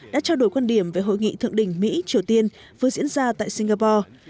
đã trao đổi quan điểm về hội nghị thượng đỉnh mỹ triều tiên vừa diễn ra tại singapore